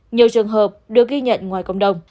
nhiều trường hợp được ghi nhận ngoài cộng đồng